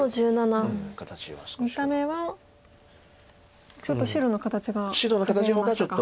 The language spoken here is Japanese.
見た目はちょっと白の形が崩れましたか。